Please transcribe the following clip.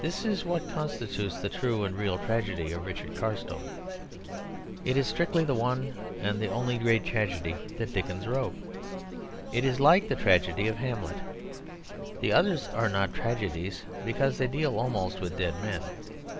This is what constitutes the true and real tragedy of Richard Carstone. It is strictly the one and only great tragedy that Dickens wrote. It is like the tragedy of Hamlet. The others are not tragedies because they deal almost with dead men.